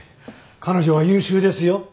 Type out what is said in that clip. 彼女は優秀ですよ。